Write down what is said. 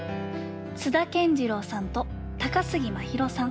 津田健次郎さんと高杉真宙さん